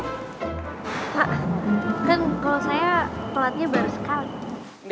pak kan kalau saya pelatnya baru sekali